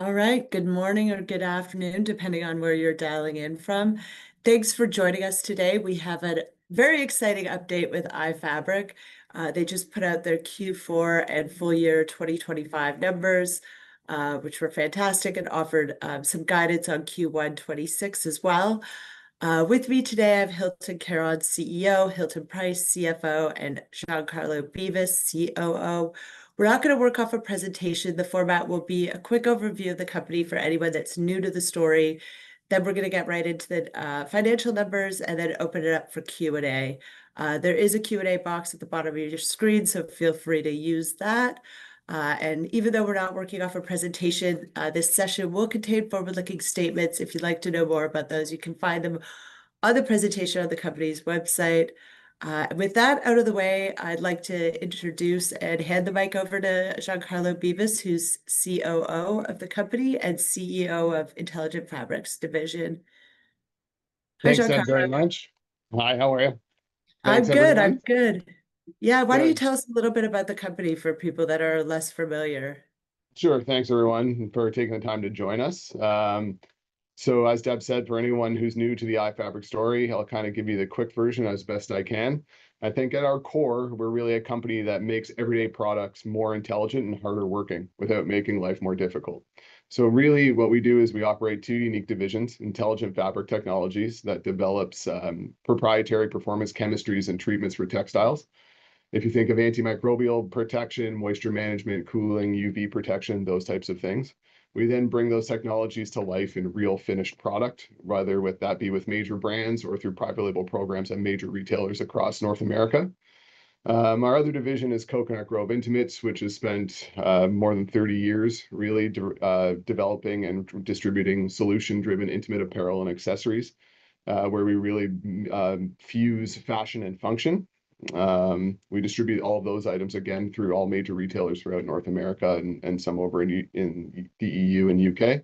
All right. Good morning or good afternoon, depending on where you're dialing in from. Thanks for joining us today. We have a very exciting update with iFabric. They just put out their Q4 and full year 2025 numbers, which were fantastic, and offered some guidance on Q1 2026 as well. With me today, I have Hylton Karon, CEO, Hilton Price, CFO, and Giancarlo Beevis, COO. We're not going to work off a presentation. The format will be a quick overview of the company for anyone that's new to the story. Then we're going to get right into the financial numbers, and then open it up for Q&A. There is a Q&A box at the bottom of your screen, so feel free to use that. Even though we're not working off a presentation, this session will contain forward-looking statements. If you'd like to know more about those, you can find them on the presentation on the company's website. With that out of the way, I'd like to introduce and hand the mic over to Giancarlo Beevis, who's COO of the company and CEO of Intelligent Fabrics division. Hi, Giancarlo. Thanks, Deb, very much. Hi, how are you? I'm good. Thanks, everyone. I'm good. Yeah. Good. Why don't you tell us a little bit about the company for people that are less familiar? Sure. Thanks, everyone, for taking the time to join us. As Deb said, for anyone who's new to the iFabric story, I'll kind of give you the quick version as best I can. I think at our core, we're really a company that makes everyday products more intelligent and harder working without making life more difficult. Really what we do is we operate two unique divisions, Intelligent Fabric Technologies, that develops proprietary performance chemistries and treatments for textiles. If you think of antimicrobial protection, moisture management, cooling, UV protection, those types of things. We then bring those technologies to life in a real finished product, whether that be with major brands or through private label programs and major retailers across North America. Our other division is Coconut Grove Intimates, which has spent more than 30 years really developing and distributing solution-driven intimate apparel and accessories, where we really fuse fashion and function. We distribute all of those items again through all major retailers throughout North America and some over in the EU and U.K.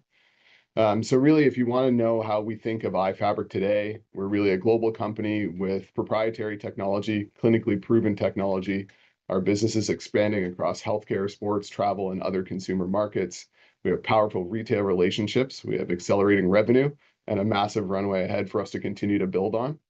Really, if you want to know how we think of iFabric today, we're really a global company with proprietary technology, clinically proven technology. Our business is expanding across healthcare, sports, travel, and other consumer markets. We have powerful retail relationships. We have accelerating revenue and a massive runway ahead for us to continue to build on.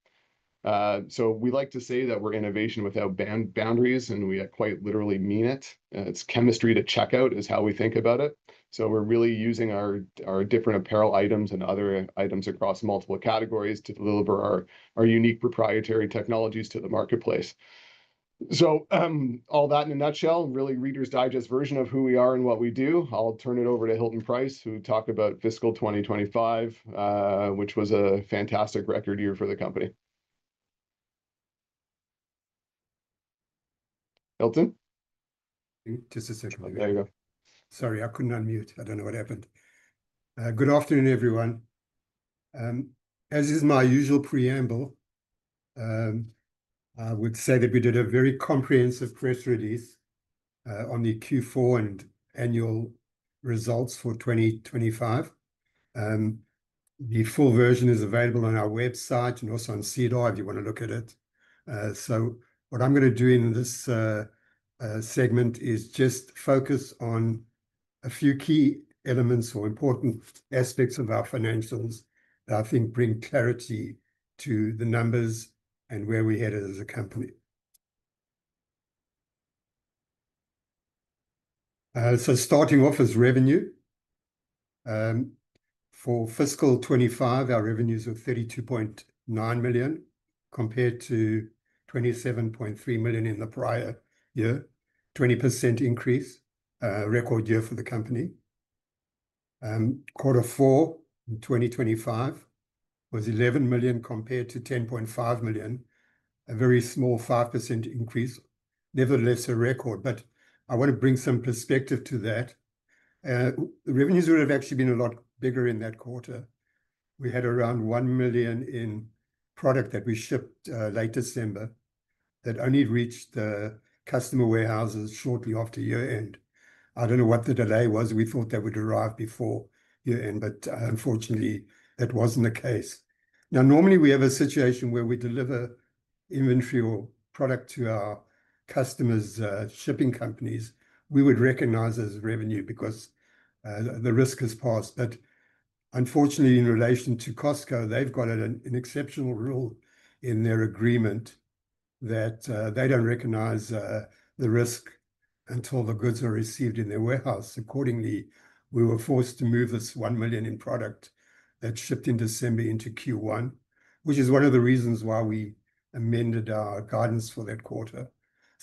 We like to say that we're innovation without boundaries, and we quite literally mean it. It's chemistry to checkout is how we think about it. We're really using our different apparel items and other items across multiple categories to deliver our unique proprietary technologies to the marketplace. All that in a nutshell, really Reader's Digest version of who we are and what we do. I'll turn it over to Hilton Price to talk about fiscal 2025, which was a fantastic record year for the company. Hilton? Just a second. There you go. Sorry, I couldn't unmute. I don't know what happened. Good afternoon, everyone. As is my usual preamble, I would say that we did a very comprehensive press release on the Q4 and annual results for 2025. The full version is available on our website and also on SEDAR, if you want to look at it. What I'm going to do in this segment is just focus on a few key elements or important aspects of our financials that I think bring clarity to the numbers and where we're headed as a company. Starting off is revenue. For fiscal 2025, our revenues were 32.9 million, compared to 27.3 million in the prior year. 20% increase. A record year for the company. Quarter four in 2025 was 11 million compared to 10.5 million. A very small 5% increase. Nevertheless, a record, but I want to bring some perspective to that. Revenues would have actually been a lot bigger in that quarter. We had around 1 million in product that we shipped late December that only reached the customer warehouses shortly after year-end. I don't know what the delay was. We thought that would arrive before year-end, but unfortunately, that wasn't the case. Now, normally, we have a situation where we deliver inventory or product to our customers' shipping companies. We would recognize as revenue because the risk has passed. Unfortunately, in relation to Costco, they've got an exceptional rule in their agreement that they don't recognize the risk until the goods are received in their warehouse. Accordingly, we were forced to move this 1 million in product that shipped in December into Q1, which is one of the reasons why we amended our guidance for that quarter.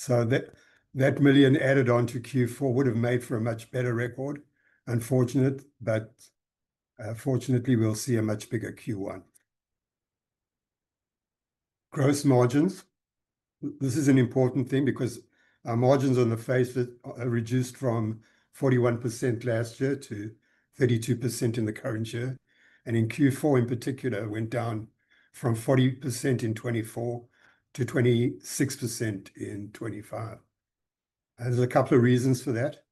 That million added on to Q4 would've made for a much better record. Unfortunate, but fortunately, we'll see a much bigger Q1. Gross margins. This is an important thing because our margins on the face are reduced from 41% last year to 32% in the current year. In Q4 in particular, it went down from 40% in 2024 to 26% in 2025. There's a couple of reasons for that.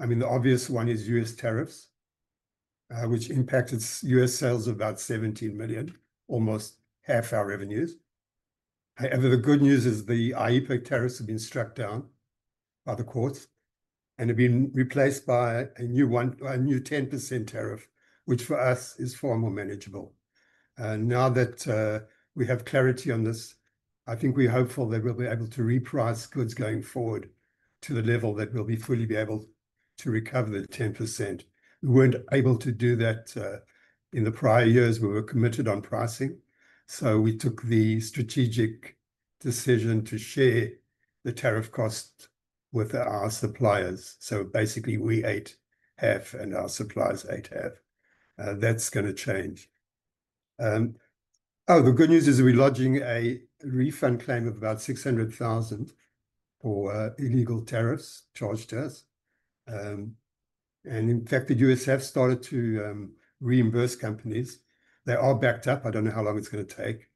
I mean, the obvious one is U.S. tariffs, which impacted U.S. sales of about 17 million, almost half our revenues. However, the good news is the IEEPA tariffs have been struck down by the courts and have been replaced by a new 10% tariff, which for us is far more manageable. Now that we have clarity on this, I think we're hopeful that we'll be able to reprice goods going forward to the level that we'll be fully able to recover the 10%. We weren't able to do that in the prior years. We were committed on pricing. We took the strategic decision to share the tariff cost with our suppliers. Basically, we ate half and our suppliers ate half. That's going to change. The good news is we're lodging a refund claim of about $600,000 for illegal tariffs charged to us. In fact, the U.S. have started to reimburse companies. They are backed up. I don't know how long it's going to take.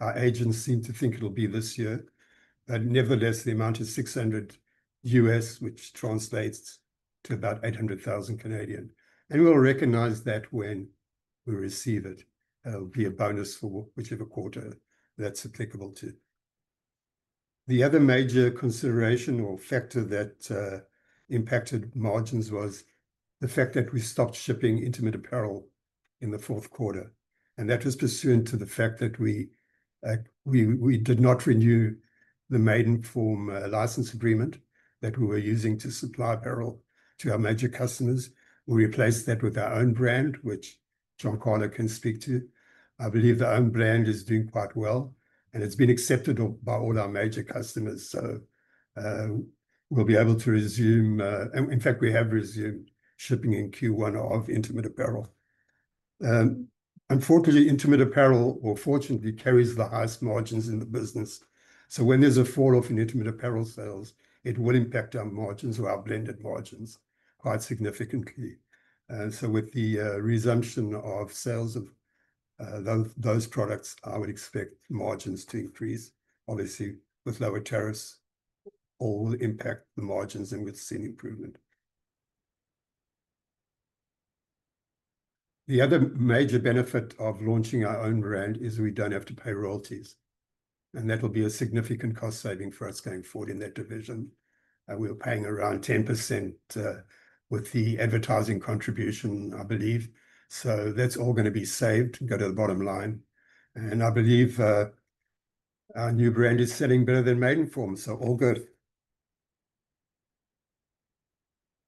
Our agents seem to think it'll be this year. Nevertheless, the amount is $600,000, which translates to about 800,000. We'll recognize that when we receive it. It'll be a bonus for whichever quarter that's applicable to. The other major consideration or factor that impacted margins was the fact that we stopped shipping intimate apparel in the fourth quarter, and that was pursuant to the fact that we did not renew the Maidenform license agreement that we were using to supply apparel to our major customers. We replaced that with our own brand, which Giancarlo can speak to. I believe our own brand is doing quite well, and it's been accepted by all our major customers. We'll be able to resume, in fact, we have resumed shipping in Q1 of intimate apparel. Unfortunately, intimate apparel, or fortunately, carries the highest margins in the business. When there's a fall-off in intimate apparel sales, it will impact our margins or our blended margins quite significantly. With the resumption of sales of those products, I would expect margins to increase. Obviously, with lower tariffs will impact the margins and we've seen improvement. The other major benefit of launching our own brand is we don't have to pay royalties, and that'll be a significant cost saving for us going forward in that division. We were paying around 10% with the advertising contribution, I believe. That's all going to be saved, go to the bottom line. I believe our new brand is selling better than Maidenform, so all good.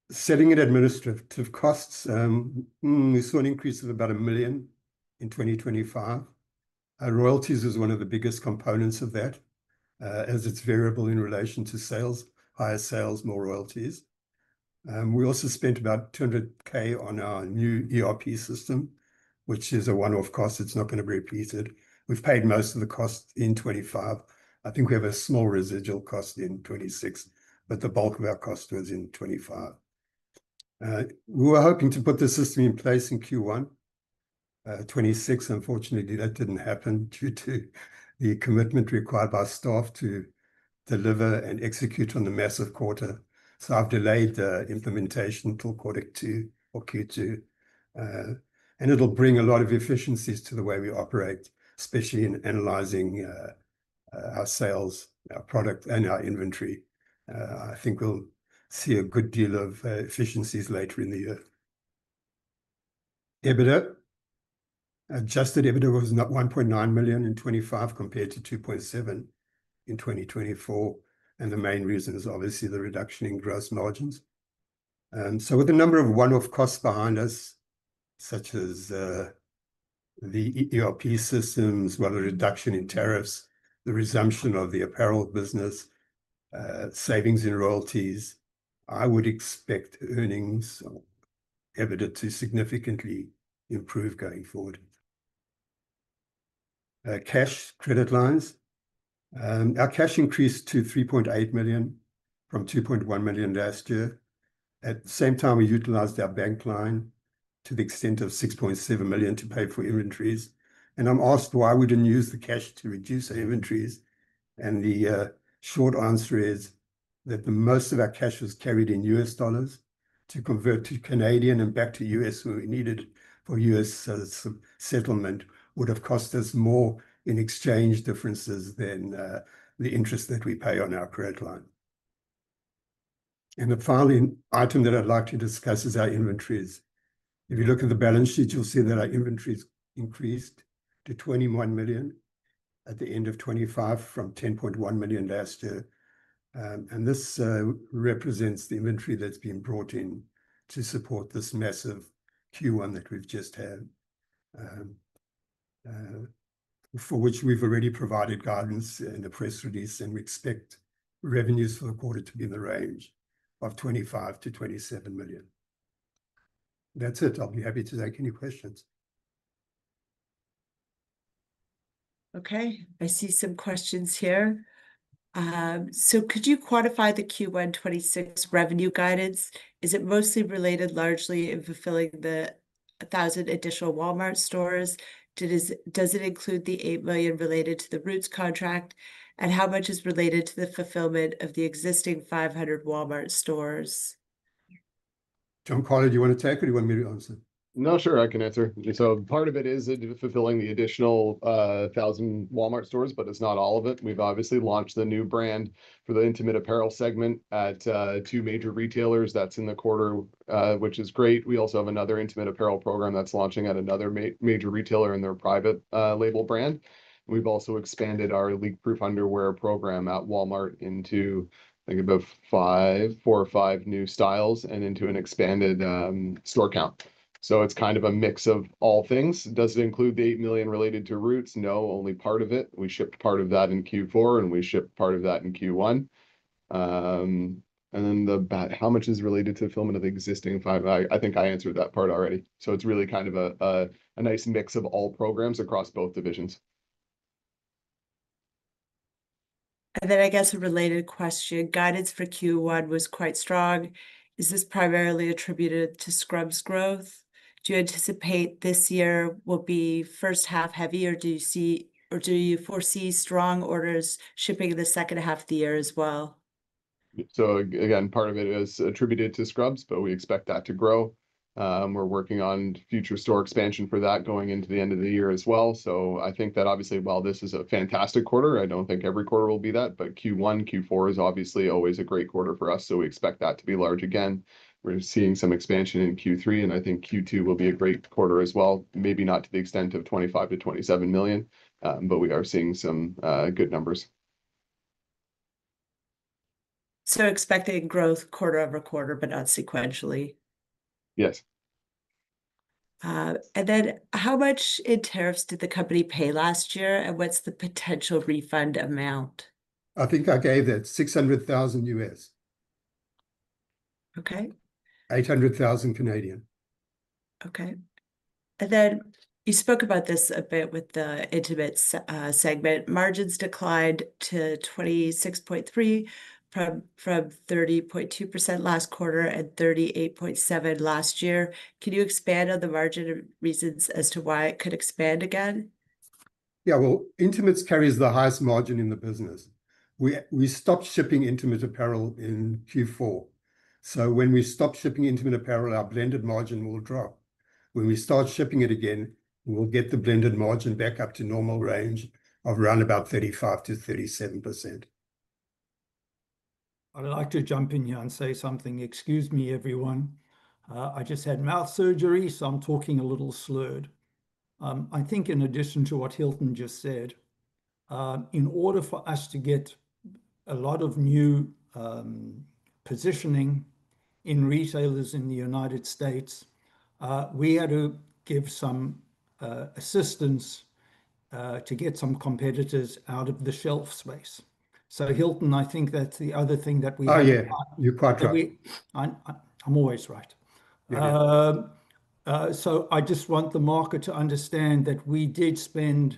Selling and administrative costs. We saw an increase of about 1 million in 2025. Royalties is one of the biggest components of that, as it's variable in relation to sales. Higher sales, more royalties. We also spent about 200,000 on our new ERP system, which is a one-off cost. It's not going to be repeated. We've paid most of the cost in 2025. I think we have a small residual cost in 2026, but the bulk of our cost was in 2025. We were hoping to put the system in place in Q1 2026. Unfortunately, that didn't happen due to the commitment required by staff to deliver and execute on the massive quarter. I've delayed the implementation till quarter two or Q2. It'll bring a lot of efficiencies to the way we operate, especially in analyzing our sales, our product, and our inventory. I think we'll see a good deal of efficiencies later in the year. EBITDA. Adjusted EBITDA was 1.9 million in 2025, compared to 2.7 million in 2024, and the main reason is obviously the reduction in gross margins. With a number of one-off costs behind us, such as the ERP systems, with the reduction in tariffs, the resumption of the apparel business, savings in royalties, I would expect earnings or EBITDA to significantly improve going forward. Cash, credit lines. Our cash increased to 3.8 million from 2.1 million last year. At the same time, we utilized our bank line to the extent of 6.7 million to pay for inventories. I'm asked why we didn't use the cash to reduce our inventories. The short answer is that most of our cash was carried in U.S. dollars. To convert to Canadian and back to U.S. when we needed for U.S. settlement would have cost us more in exchange differences than the interest that we pay on our credit line. The final item that I'd like to discuss is our inventories. If you look at the balance sheet, you'll see that our inventories increased to 21 million at the end of 2025 from 10.1 million last year. This represents the inventory that's been brought in to support this massive Q1 that we've just had, for which we've already provided guidance in the press release, and we expect revenues for the quarter to be in the range of 25 million-27 million. That's it. I'll be happy to take any questions. Okay, I see some questions here. Could you quantify the Q1 2026 revenue guidance? Is it mostly related largely in fulfilling the 1,000 additional Walmart stores? Does it include the 8 million related to the Roots contract, and how much is related to the fulfillment of the existing 500 Walmart stores? Giancarlo Beevis, do you want to take it or do you want me to answer? No, sure, I can answer. Part of it is fulfilling the additional 1,000 Walmart stores, but it's not all of it. We've obviously launched the new brand for the intimate apparel segment at two major retailers. That's in the quarter, which is great. We also have another intimate apparel program that's launching at another major retailer in their private label brand. We've also expanded our leak-proof underwear program at Walmart into, I think, about four or five new styles and into an expanded store count. It's kind of a mix of all things. Does it include the 8 million related to Roots? No, only part of it. We shipped part of that in Q4, and we shipped part of that in Q1. Then about how much is related to the fulfillment of the existing five, I think I answered that part already. It's really kind of a nice mix of all programs across both divisions. I guess a related question, guidance for Q1 was quite strong. Is this primarily attributed to scrubs growth? Do you anticipate this year will be first half heavier, or do you foresee strong orders shipping in the second half of the year as well? Again, part of it is attributed to scrubs, but we expect that to grow. We're working on future store expansion for that going into the end of the year as well. I think that obviously while this is a fantastic quarter, I don't think every quarter will be that, but Q1, Q4 is obviously always a great quarter for us. We expect that to be large again. We're seeing some expansion in Q3, and I think Q2 will be a great quarter as well, maybe not to the extent of 25 million-27 million, but we are seeing some good numbers. Expecting growth quarter over quarter, but not sequentially. Yes. How much in tariffs did the company pay last year, and what's the potential refund amount? I think I gave that, $600,000. Okay. CAD 800,000. Okay. Then you spoke about this a bit with the Intimates segment. Margins declined to 26.3% from 30.2% last quarter and 38.7% last year. Can you expand on the margin reasons as to why it could expand again? Yeah. Well, Intimates carries the highest margin in the business. We stopped shipping intimate apparel in Q4. When we stop shipping intimate apparel, our blended margin will drop. When we start shipping it again, we'll get the blended margin back up to normal range of around about 35%-37%. I'd like to jump in here and say something. Excuse me, everyone. I just had mouth surgery, so I'm talking a little slurred. I think in addition to what Hilton just said, in order for us to get a lot of new positioning in retailers in the United States, we had to give some assistance to get some competitors out of the shelf space. Hilton, I think that's the other thing that we- Oh, yeah. You're quite right. I'm always right. Okay. I just want the market to understand that we did spend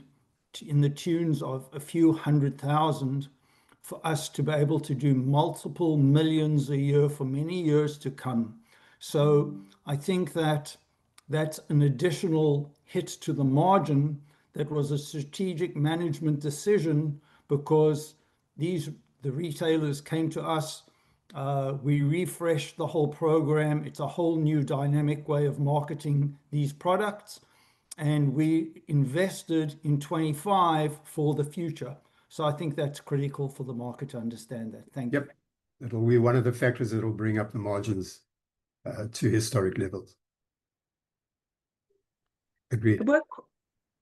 in the tons of a few hundred thousand for us to be able to do multiple millions a year for many years to come. I think that's an additional hit to the margin that was a strategic management decision because the retailers came to us, we refreshed the whole program. It's a whole new dynamic way of marketing these products, and we invested in 2025 for the future. I think that's critical for the market to understand that. Thank you. Yep. It'll be one of the factors that will bring up the margins to historic levels. Agreed.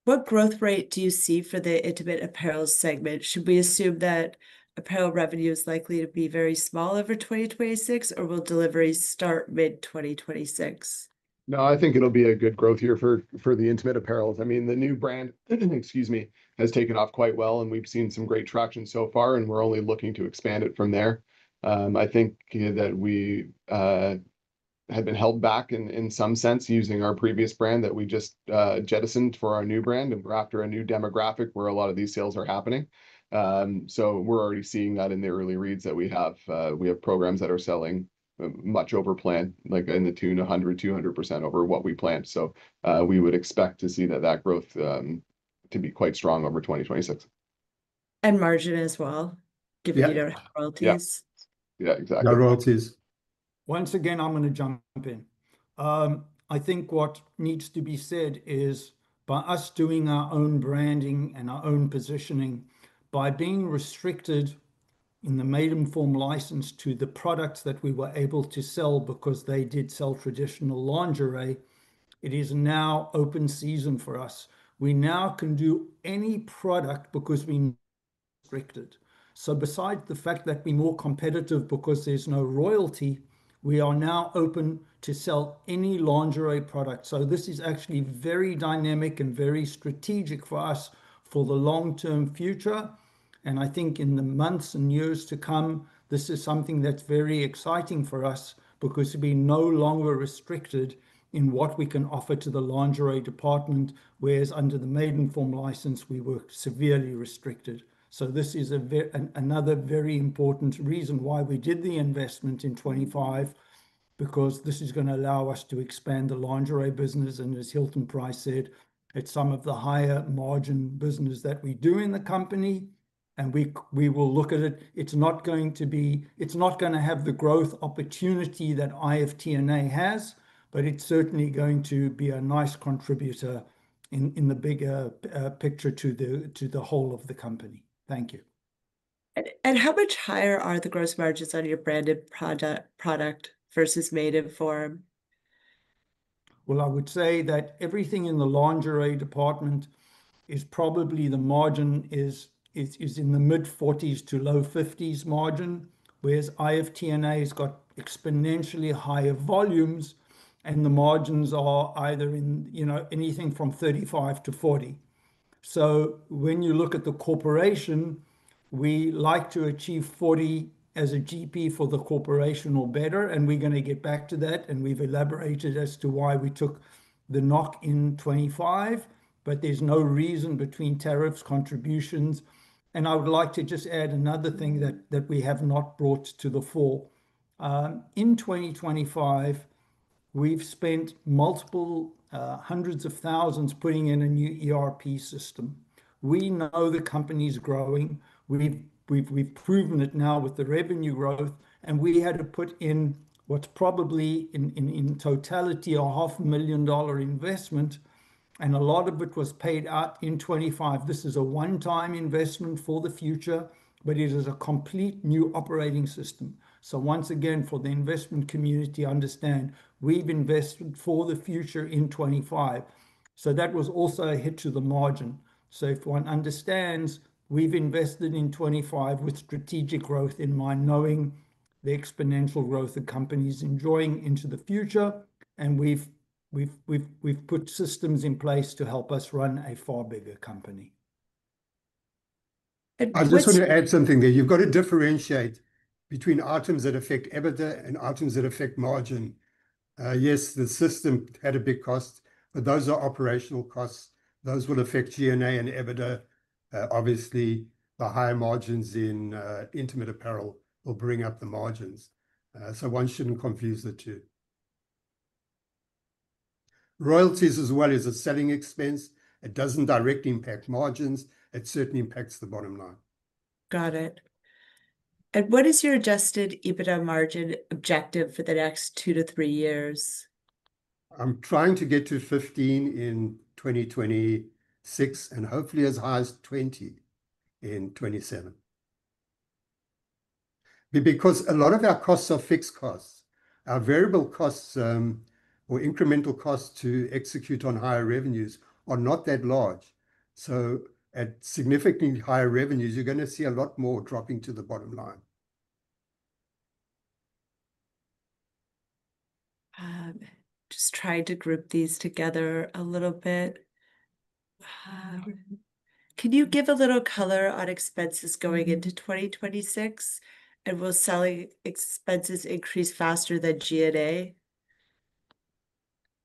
What growth rate do you see for the intimate apparel segment? Should we assume that apparel revenue is likely to be very small over 2026, or will deliveries start mid-2026? No, I think it'll be a good growth year for the intimate apparels. I mean, the new brand, excuse me, has taken off quite well, and we've seen some great traction so far, and we're only looking to expand it from there. I think that we have been held back in some sense using our previous brand that we just jettisoned for our new brand, and we're after a new demographic where a lot of these sales are happening. We're already seeing that in the early reads that we have. We have programs that are selling much over plan, like in the tune of 100%, 200% over what we planned. We would expect to see that growth to be quite strong over 2026. Margin as well. Yeah. Given your royalties. Yeah, exactly. No royalties. Once again, I'm going to jump in. I think what needs to be said is by us doing our own branding and our own positioning, by being restricted in the Maidenform license to the products that we were able to sell because they did sell traditional lingerie, it is now open season for us. We now can do any product because we. Besides the fact that we're more competitive because there's no royalty, we are now open to sell any lingerie product. This is actually very dynamic and very strategic for us for the long-term future, and I think in the months and years to come, this is something that's very exciting for us because we'll be no longer restricted in what we can offer to the lingerie department, whereas under the Maidenform license, we were severely restricted. This is another very important reason why we did the investment in 2025, because this is going to allow us to expand the lingerie business, and as Hilton Price said, it's some of the higher margin business that we do in the company. We will look at it. It's not going to be, it's not going to have the growth opportunity that IFTNA has, but it's certainly going to be a nice contributor in the bigger picture to the whole of the company. Thank you. How much higher are the gross margins on your branded product versus Maidenform? Well, I would say that everything in the lingerie department is probably the margin is in the mid-40s to low 50s margin, whereas IFTNA has got exponentially higher volumes and the margins are either in anything from 35%-40%. When you look at the corporation, we like to achieve 40% as a GP for the corporation or better, and we're going to get back to that, and we've elaborated as to why we took the knock in 2025, but there's no reason between tariffs and contributions. I would like to just add another thing that we have not brought to the fore. In 2025, we've spent multiple hundreds of thousands putting in a new ERP system. We know the company's growing. We've proven it now with the revenue growth, and we had to put in what's probably, in totality, a 500,000 dollar investment, and a lot of it was paid out in 2025. This is a one-time investment for the future, but it is a complete new operating system. Once again, for the investment community, understand, we've invested for the future in 2025. That was also a hit to the margin. If one understands, we've invested in 2025 with strategic growth in mind, knowing the exponential growth the company's enjoying into the future, and we've put systems in place to help us run a far bigger company. And- I just want to add something there. You've got to differentiate between items that affect EBITDA and items that affect margin. Yes, the system had a big cost, but those are operational costs. Those will affect G&A and EBITDA. Obviously, the higher margins in intimate apparel will bring up the margins. One shouldn't confuse the two. Royalties as well is a selling expense. It doesn't directly impact margins. It certainly impacts the bottom line. Got it. What is your adjusted EBITDA margin objective for the next two to three years? I'm trying to get to 15% in 2026 and hopefully as high as 20% in 2027. Because a lot of our costs are fixed costs. Our variable costs, or incremental costs to execute on higher revenues are not that large. At significantly higher revenues, you're going to see a lot more dropping to the bottom line. Just trying to group these together a little bit. Can you give a little color on expenses going into 2026? Will selling expenses increase faster than G&A?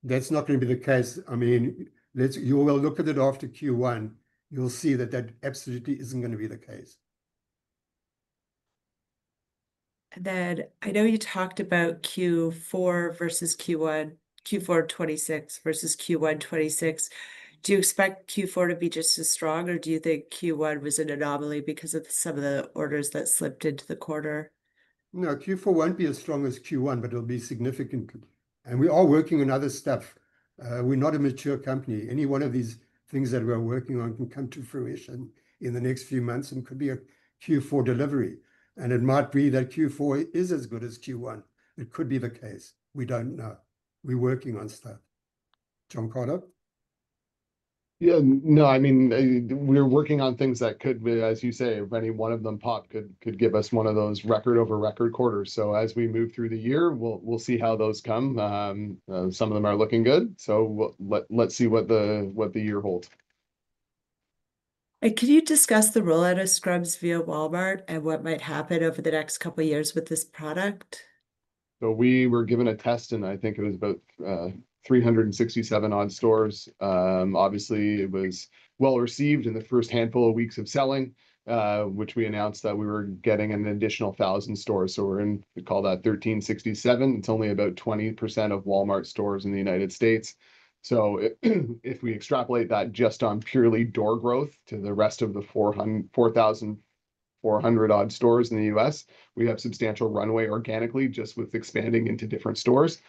That's not going to be the case. When you will look at it after Q1, you'll see that absolutely isn't going to be the case. I know you talked about Q4 versus Q1, Q4 2026 versus Q1 2026. Do you expect Q4 to be just as strong, or do you think Q1 was an anomaly because of some of the orders that slipped into the quarter? No, Q4 won't be as strong as Q1, but it'll be significant. We are working on other stuff. We're not a mature company. Any one of these things that we are working on can come to fruition in the next few months and could be a Q4 delivery. It might be that Q4 is as good as Q1. It could be the case. We don't know. We're working on stuff. Giancarlo? Yeah. No, we're working on things that could be, as you say, if any one of them pop, could give us one of those record over record quarters. As we move through the year, we'll see how those come. Some of them are looking good, so let's see what the year holds. Could you discuss the rollout of scrubs via Walmart and what might happen over the next couple of years with this product? We were given a test in, I think it was about 367 on stores. Obviously, it was well-received in the first handful of weeks of selling, which we announced that we were getting an additional 1,000 stores. We're in, call that 1,367. It's only about 20% of Walmart stores in the United States. If we extrapolate that just on purely door growth to the rest of the 4,400 on stores in the U.S., we have substantial runway organically just with expanding into different stores.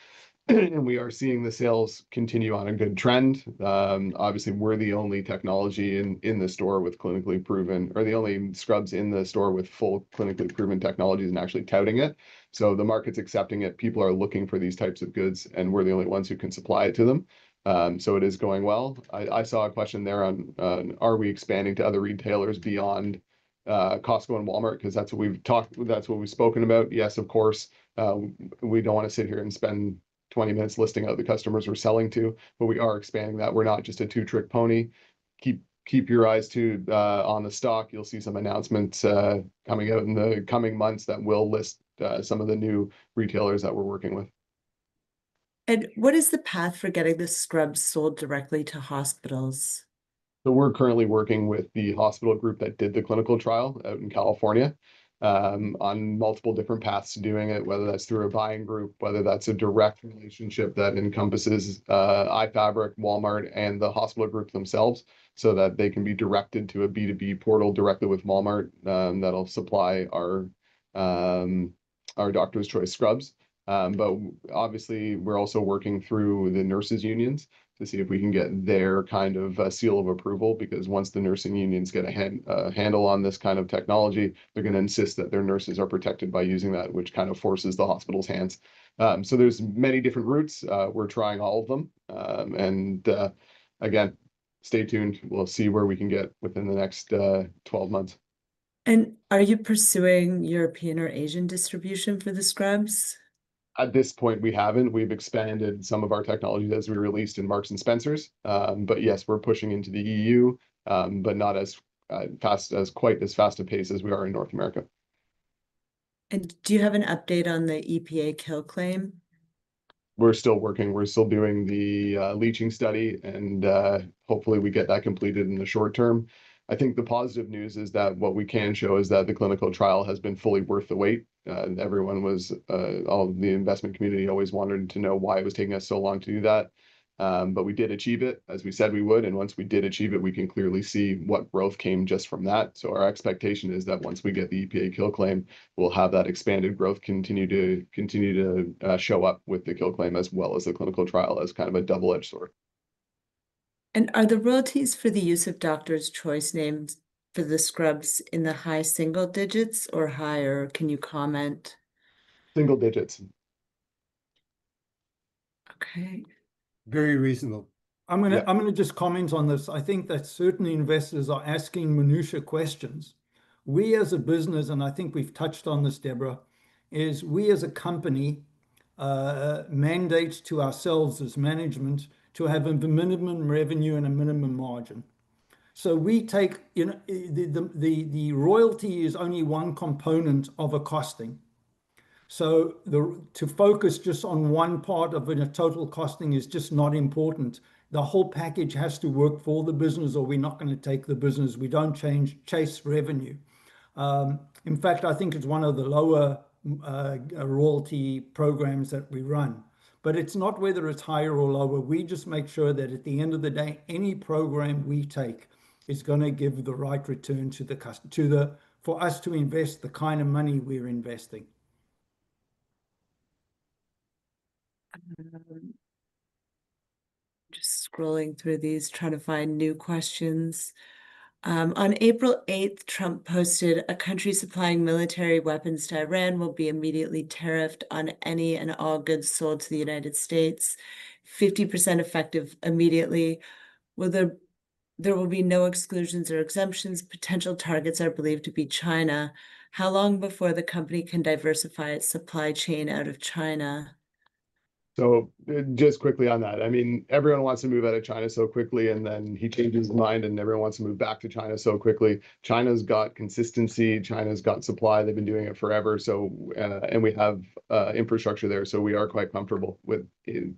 We are seeing the sales continue on a good trend. Obviously, we're the only technology in the store with clinically proven or the only scrubs in the store with full clinically proven technologies and actually touting it. The market's accepting it. People are looking for these types of goods, and we're the only ones who can supply it to them. It is going well. I saw a question there on are we expanding to other retailers beyond Costco and Walmart, because that's what we've spoken about. Yes, of course. We don't want to sit here and spend 20 minutes listing out the customers we're selling to, but we are expanding that. We're not just a two-trick pony. Keep your eyes tuned on the stock. You'll see some announcements coming out in the coming months that will list some of the new retailers that we're working with. What is the path for getting the scrubs sold directly to hospitals? We're currently working with the hospital group that did the clinical trial out in California, on multiple different paths to doing it, whether that's through a buying group, whether that's a direct relationship that encompasses iFabric, Walmart, and the hospital group themselves, so that they can be directed to a B2B portal directly with Walmart, that'll supply our, our Doctor's Choice scrubs. Obviously we're also working through the nurses' unions to see if we can get their kind of seal of approval, because once the nursing unions get a handle on this kind of technology, they're going to insist that their nurses are protected by using that, which kind of forces the hospital's hands. There's many different routes. We're trying all of them. Again, stay tuned. We'll see where we can get within the next 12 months. Are you pursuing European or Asian distribution for the scrubs? At this point, we haven't. We've expanded some of our technology as we released in Marks & Spencer. Yes, we're pushing into the EU, but not quite as fast a pace as we are in North America. Do you have an update on the EPA kill claim? We're still working. We're still doing the leaching study and hopefully we get that completed in the short term. I think the positive news is that what we can show is that the clinical trial has been fully worth the wait. All of the investment community always wanted to know why it was taking us so long to do that. We did achieve it, as we said we would. Once we did achieve it, we can clearly see what growth came just from that. Our expectation is that once we get the EPA kill claim, we'll have that expanded growth continue to show up with the kill claim as well as the clinical trial as kind of a double-edged sword. Are the royalties for the use of Doctor's Choice names for the scrubs in the high single digits or higher? Can you comment? Single digits. Okay. Very reasonable. Yeah. I'm going to just comment on this. I think that certain investors are asking minutiae questions. We as a business, and I think we've touched on this, Debra, is we as a company, mandate to ourselves as management to have a minimum revenue and a minimum margin. The royalty is only one component of a costing. To focus just on one part of a total costing is just not important. The whole package has to work for the business, or we're not going to take the business. We don't chase revenue. In fact, I think it's one of the lower royalty programs that we run. It's not whether it's higher or lower. We just make sure that at the end of the day, any program we take is going to give the right return for us to invest the kind of money we're investing. Just scrolling through these, trying to find new questions. On April 8th, Trump posted, "A country supplying military weapons to Iran will be immediately tariffed on any and all goods sold to the United States, 50% effective immediately. There will be no exclusions or exemptions." Potential targets are believed to be China. How long before the company can diversify its supply chain out of China? Just quickly on that, everyone wants to move out of China so quickly, and then he changes his mind and everyone wants to move back to China so quickly. China's got consistency. China's got supply. They've been doing it forever. We have infrastructure there, so we are quite comfortable with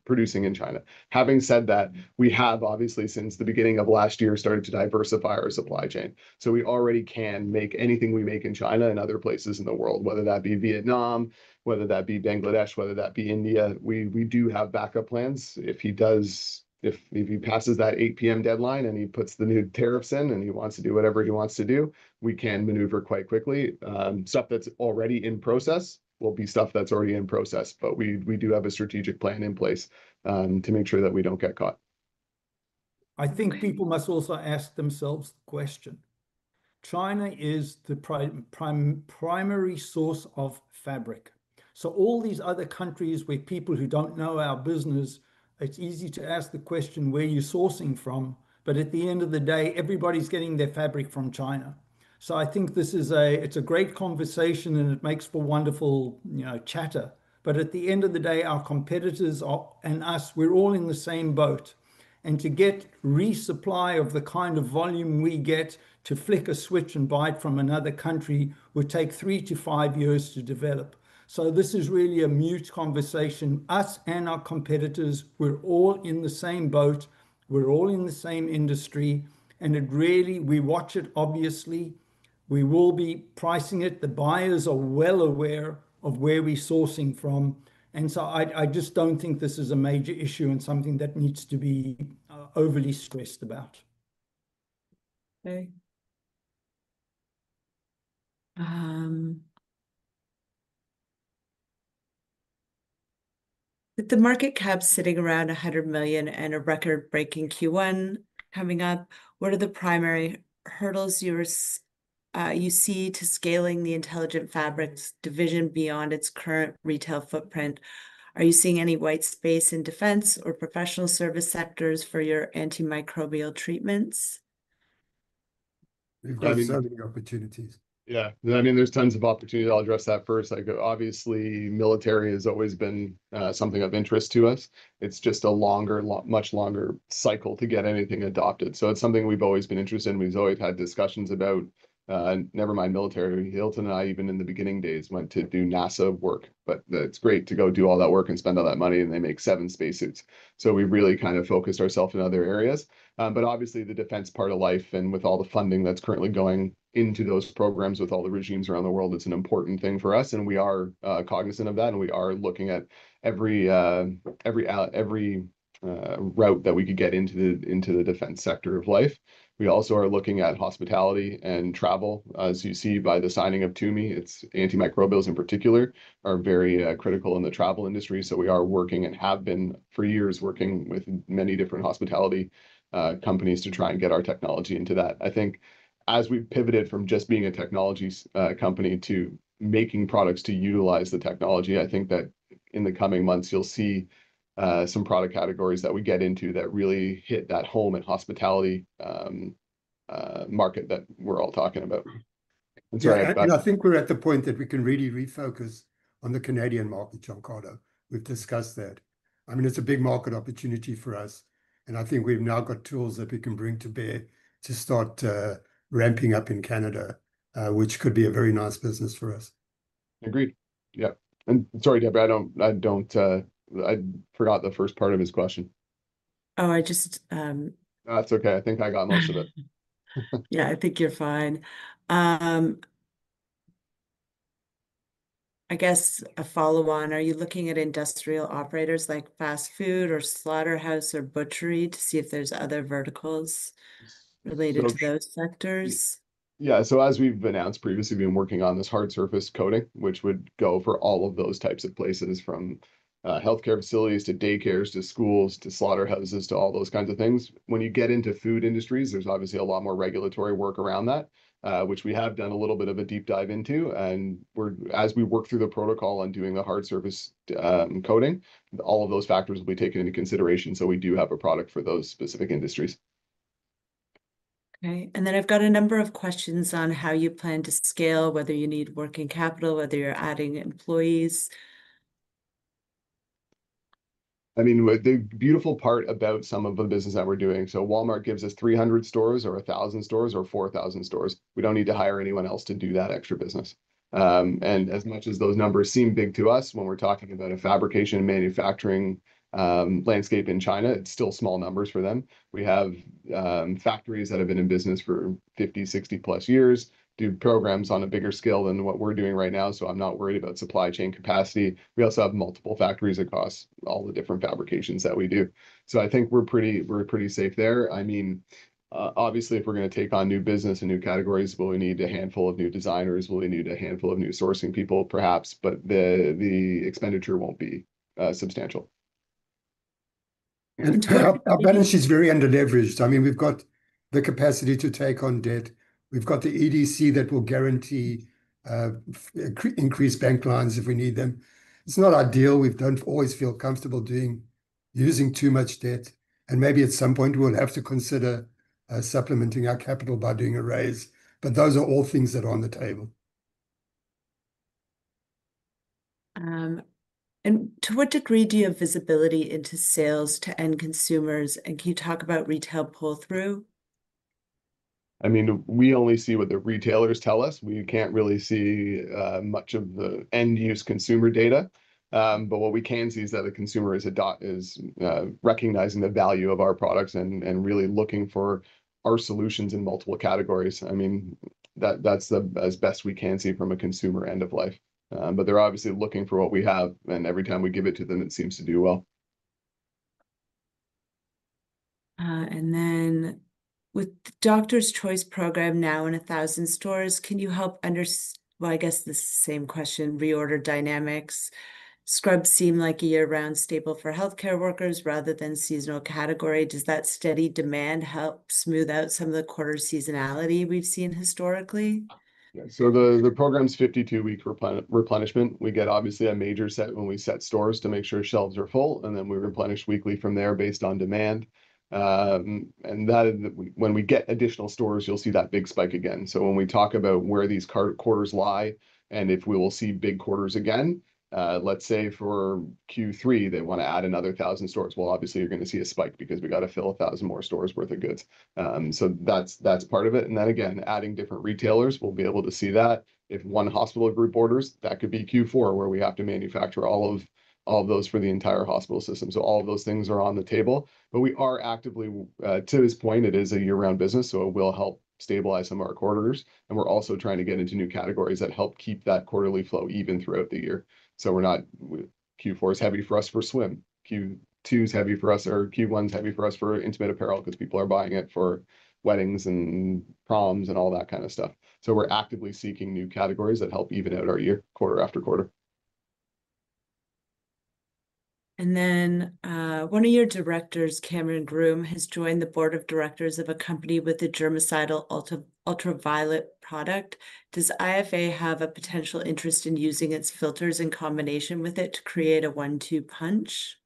producing in China. Having said that, we have obviously, since the beginning of last year, started to diversify our supply chain. We already can make anything we make in China, in other places in the world, whether that be Vietnam, whether that be Bangladesh, whether that be India. We do have backup plans. If he passes that 8:00 P.M. deadline and he puts the new tariffs in and he wants to do whatever he wants to do, we can maneuver quite quickly. Stuff that's already in process will be stuff that's already in process, but we do have a strategic plan in place to make sure that we don't get caught. Okay. I think people must also ask themselves the question. China is the primary source of fabric. All these other countries with people who don't know our business, it's easy to ask the question, where are you sourcing from? At the end of the day, everybody's getting their fabric from China. I think this is a great conversation and it makes for wonderful chatter. At the end of the day, our competitors and us, we're all in the same boat. To get resupply of the kind of volume we get to flick a switch and buy it from another country would take three to five years to develop. This is really a moot conversation. Us and our competitors, we're all in the same boat, we're all in the same industry, and really we watch it, obviously. We will be pricing it. The buyers are well aware of where we're sourcing from, and so I just don't think this is a major issue and something that needs to be overly stressed about. Okay. With the market cap sitting around 100 million and a record-breaking Q1 coming up, what are the primary hurdles you see to scaling the intelligent fabrics division beyond its current retail footprint? Are you seeing any white space in defense or professional service sectors for your antimicrobial treatments? We've got so many opportunities. Yeah. There's tons of opportunities. I'll address that first. Obviously, military has always been something of interest to us. It's just a much longer cycle to get anything adopted. It's something we've always been interested in. We've always had discussions about, never mind military. Hilton and I, even in the beginning days, went to do NASA work. It's great to go do all that work and spend all that money, and they make seven spacesuits. We've really kind of focused ourselves in other areas. Obviously the defense part of life and with all the funding that's currently going into those programs, with all the regimes around the world, it's an important thing for us and we are cognizant of that, and we are looking at every route that we could get into the defense sector of life. We also are looking at hospitality and travel. As you see by the signing of Tumi, its antimicrobials in particular are very critical in the travel industry. We are working, and have been for years, working with many different hospitality companies to try and get our technology into that. I think as we've pivoted from just being a technology company to making products to utilize the technology, I think that in the coming months, you'll see some product categories that we get into that really hit that home in hospitality, a market that we're all talking about. That's right. Yeah, I think we're at the point that we can really refocus on the Canadian market, Giancarlo. We've discussed that. It's a big market opportunity for us, and I think we've now got tools that we can bring to bear to start ramping up in Canada, which could be a very nice business for us. Agreed. Yep. Sorry, Deb, I forgot the first part of his question. Oh, I just- No, that's okay. I think I got most of it. Yeah, I think you're fine. I guess a follow-on, are you looking at industrial operators like fast food or slaughterhouse or butchery to see if there's other verticals related to those sectors? Yeah, as we've announced previously, we've been working on this hard surface coating, which would go for all of those types of places from healthcare facilities to daycares, to schools, to slaughterhouses, to all those kinds of things. When you get into food industries, there's obviously a lot more regulatory work around that, which we have done a little bit of a deep dive into. As we work through the protocol on doing the hard surface coating, all of those factors will be taken into consideration. We do have a product for those specific industries. Okay, I've got a number of questions on how you plan to scale, whether you need working capital, whether you're adding employees. The beautiful part about some of the business that we're doing, so Walmart gives us 300 stores or 1,000 stores or 4,000 stores. We don't need to hire anyone else to do that extra business. As much as those numbers seem big to us when we're talking about a fabrication and manufacturing landscape in China, it's still small numbers for them. We have factories that have been in business for 50, 60+ years, do programs on a bigger scale than what we're doing right now. I'm not worried about supply chain capacity. We also have multiple factories across all the different fabrications that we do. I think we're pretty safe there. Obviously, if we're going to take on new business and new categories, will we need a handful of new designers? Will we need a handful of new sourcing people? Perhaps, but the expenditure won't be substantial. Our balance is very under-leveraged. We've got the capacity to take on debt. We've got the EDC that will guarantee increased bank lines if we need them. It's not ideal. We don't always feel comfortable using too much debt, and maybe at some point we'll have to consider supplementing our capital by doing a raise. Those are all things that are on the table. To what degree do you have visibility into sales to end consumers, and can you talk about retail pull-through? We only see what the retailers tell us. We can't really see much of the end-user consumer data. What we can see is that the consumer is recognizing the value of our products and really looking for our solutions in multiple categories. That's as best we can see from a consumer end of life. They're obviously looking for what we have, and every time we give it to them, it seems to do well. With Doctor's Choice program now in 1,000 stores, can you help- I guess the same question, reorder dynamics. Scrubs seem like a year-round staple for healthcare workers rather than seasonal category. Does that steady demand help smooth out some of the quarter seasonality we've seen historically? Yeah. The program's a 52-week replenishment. We get obviously a major set when we set stores to make sure shelves are full, and then we replenish weekly from there based on demand. When we get additional stores, you'll see that big spike again. When we talk about where these quarters lie and if we will see big quarters again, let's say for Q3, they want to add another 1,000 stores. Well, obviously you're going to see a spike because we got to fill 1,000 more stores worth of goods. That's part of it. Then again, adding different retailers, we'll be able to see that. If one hospital group orders, that could be Q4, where we have to manufacture all of those for the entire hospital system. All of those things are on the table. We are actively, to his point, it is a year-round business, so it will help stabilize some of our quarters. We're also trying to get into new categories that help keep that quarterly flow even throughout the year. Q4 is heavy for us for swim. Q2's heavy for us, or Q1's heavy for us for intimate apparel because people are buying it for weddings and proms and all that kind of stuff. We're actively seeking new categories that help even out our year, quarter after quarter. One of your directors, Cameron Groome, has joined the board of directors of a company with a germicidal ultraviolet product. Does IFA have a potential interest in using its filters in combination with it to create a one-two punch?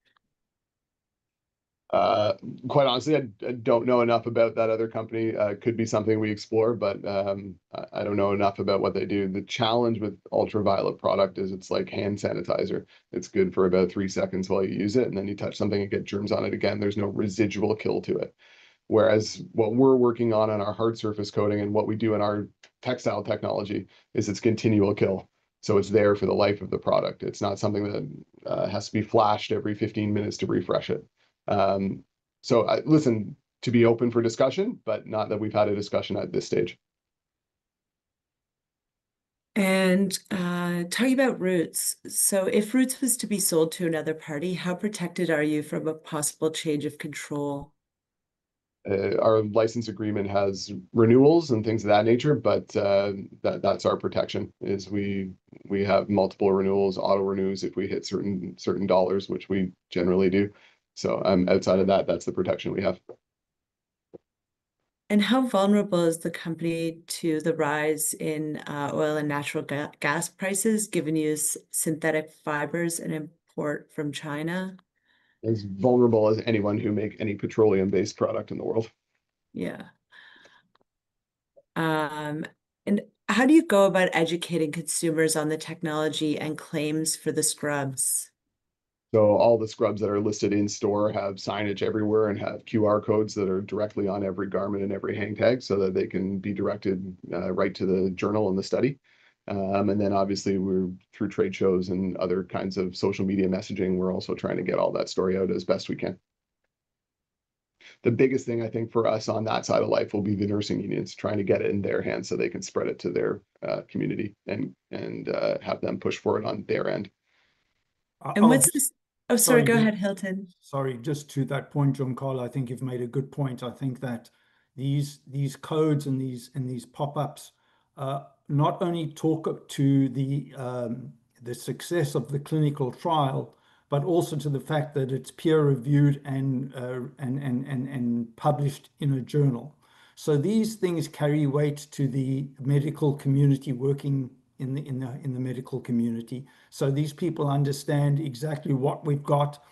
Quite honestly, I don't know enough about that other company. Could be something we explore, but I don't know enough about what they do. The challenge with ultraviolet product is it's like hand sanitizer. It's good for about three seconds while you use it, and then you touch something and get germs on it again. There's no residual kill to it. Whereas what we're working on in our hard surface coating and what we do in our textile technology is it's continual kill, so it's there for the life of the product. It's not something that has to be flashed every 15 minutes to refresh it. Listen, to be open for discussion, but not that we've had a discussion at this stage. Tell me about Roots. If Roots was to be sold to another party, how protected are you from a possible change of control? Our license agreement has renewals and things of that nature, but that's our protection is we have multiple renewals, auto-renews, if we hit certain dollars, which we generally do. Outside of that's the protection we have. How vulnerable is the company to the rise in oil and natural gas prices, given you use synthetic fibers and import from China? As vulnerable as anyone who makes any petroleum-based product in the world. Yeah. How do you go about educating consumers on the technology and claims for the scrubs? All the scrubs that are listed in store have signage everywhere and have QR codes that are directly on every garment and every hang tag so that they can be directed right to the journal and the study. Obviously, through trade shows and other kinds of social media messaging, we're also trying to get all that story out as best we can. The biggest thing, I think, for us on that side of life will be the nursing units, trying to get it in their hands so they can spread it to their community and have them push for it on their end. Oh, sorry. Go ahead, Hylton. Sorry. Just to that point, Giancarlo, I think you've made a good point. I think that these codes and these pop-ups, not only talk to the success of the clinical trial, but also to the fact that it's peer-reviewed and published in a journal. These things carry weight to the medical community working in the medical community. These people understand exactly what we've got,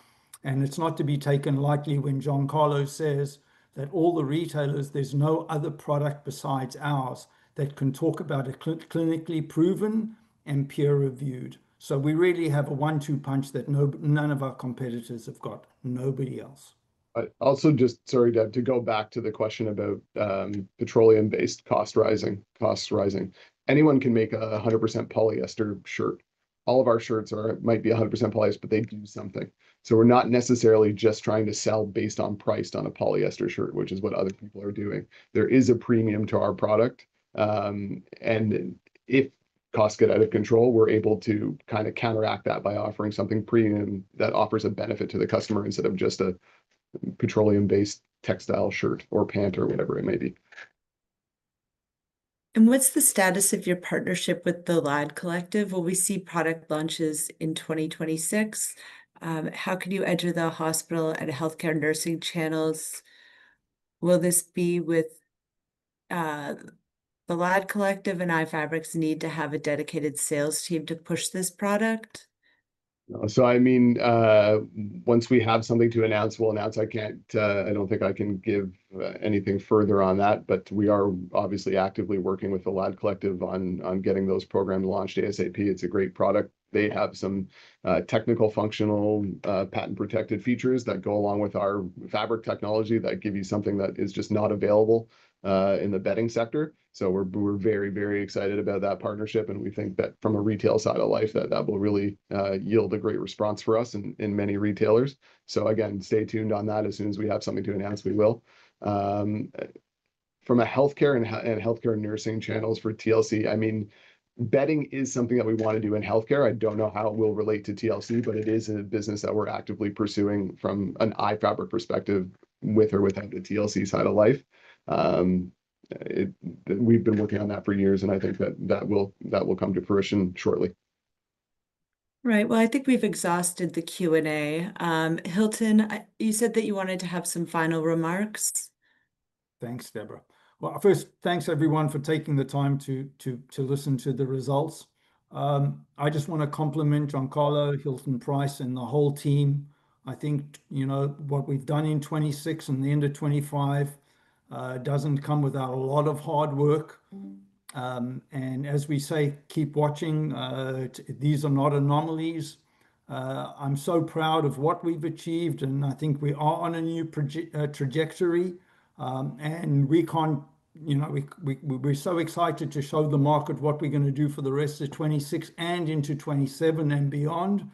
and it's not to be taken lightly when Giancarlo says that all the retailers, there's no other product besides ours that can talk about a clinically proven and peer-reviewed. We really have a one-two punch that none of our competitors have got. Nobody else. Just, sorry, to go back to the question about petroleum-based costs rising. Anyone can make a 100% polyester shirt. All of our shirts might be 100% polyester, but they do something. We're not necessarily just trying to sell based on price on a polyester shirt, which is what other people are doing. There is a premium to our product, and if costs get out of control, we're able to kind of counteract that by offering something premium that offers a benefit to the customer instead of just a petroleum-based textile shirt or pant or whatever it may be. What's the status of your partnership with The Lad Collective? Will we see product launches in 2026? How can you enter the hospital and healthcare nursing channels? Will this be with The Lad Collective, and iFabric's need to have a dedicated sales team to push this product? I mean, once we have something to announce, we'll announce. I don't think I can give anything further on that. We are obviously actively working with The Lad Collective on getting those programs launched ASAP. It's a great product. They have some technical, functional, patent-protected features that go along with our fabric technology that give you something that is just not available in the bedding sector. We're very, very excited about that partnership, and we think that from a retail side of life, that will really yield a great response for us in many retailers. Again, stay tuned on that. As soon as we have something to announce, we will. From a healthcare nursing channels for TLC, I mean, bedding is something that we want to do in healthcare. I don't know how it will relate to TLC, but it is a business that we're actively pursuing from an iFabric perspective with or without the TLC side of life. We've been working on that for years, and I think that will come to fruition shortly. Right. Well, I think we've exhausted the Q&A. Hylton, you said that you wanted to have some final remarks. Thanks, Debra. Well, first, thanks everyone for taking the time to listen to the results. I just want to compliment Giancarlo, Hilton Price, and the whole team. I think what we've done in 2026 and the end of 2025 doesn't come without a lot of hard work. As we say, keep watching. These are not anomalies. I'm so proud of what we've achieved, and I think we are on a new trajectory. We're so excited to show the market what we're going to do for the rest of 2026 and into 2027 and beyond.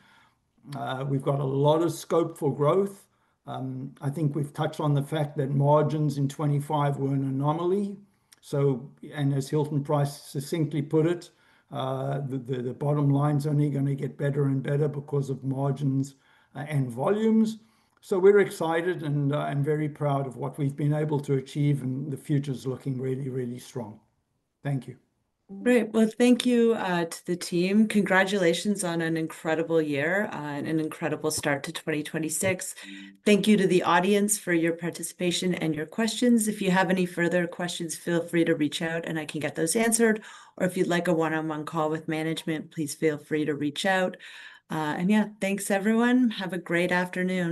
We've got a lot of scope for growth. I think we've touched on the fact that margins in 2025 were an anomaly, and as Hilton Price succinctly put it, the bottom line's only going to get better and better because of margins and volumes. We're excited and I'm very proud of what we've been able to achieve, and the future's looking really, really strong. Thank you. Great. Well, thank you to the team. Congratulations on an incredible year and an incredible start to 2026. Thank you to the audience for your participation and your questions. If you have any further questions, feel free to reach out and I can get those answered. Or if you'd like a one-on-one call with management, please feel free to reach out. Yeah, thanks everyone. Have a great afternoon.